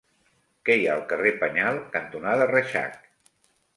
Què hi ha al carrer Penyal cantonada Reixac?